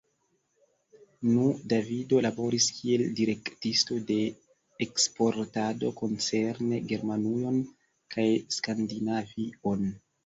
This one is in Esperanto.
Nu, Davido laboris kiel direktisto de eksportado koncerne Germanujon kaj Skandinavion.